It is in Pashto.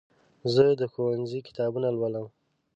زه د ښوونځي کتابونه لولم.